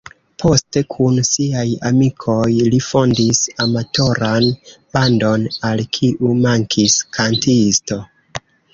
Poste, kun siaj amikoj, li fondis amatoran bandon, al kiu mankis kantisto.